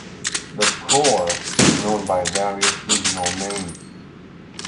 The "crore" is known by various regional names.